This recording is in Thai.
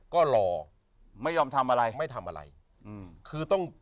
ก็รอไม่ยอมทำอะไรไม่ทำอะไรอืมคือต้อง